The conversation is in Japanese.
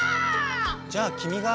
じゃあきみが！